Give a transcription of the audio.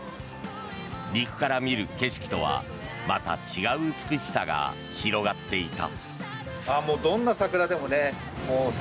陸から見る景色とはまた違う美しさが広がっていた。